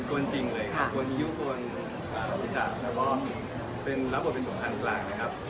โกนจริงเลยครับโกนยุคโกนศีรษะแล้วก็รับบทเป็นสมพันธ์กลางนะครับ